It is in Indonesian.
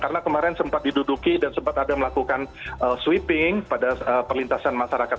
karena kemarin sempat diduduki dan sempat ada melakukan sweeping pada perlintasan masyarakat